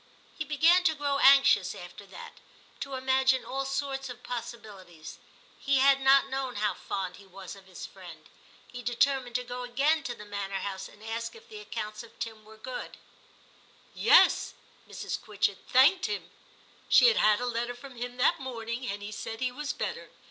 He began to grow anxious after that ; to imagine all sorts of possibilities ; he had not known how fond he was of his friend. He determined to go again to the manor house, and ask if the accounts of Tim were good. * Yes '; Mrs. Quitchett * thanked him ; she had had a letter from him that morning, and he said he was better.